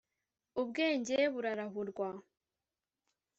Ubwenge burarahurwa